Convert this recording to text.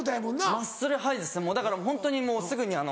マッスルハイですもうだからホントにすぐにあの。